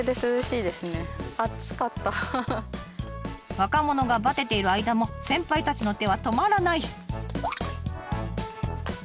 若者がバテている間も先輩たちの手は止まらない。